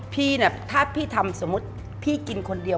พี่เนี่ยถ้าพี่ทำสมมุติพี่กินคนเดียว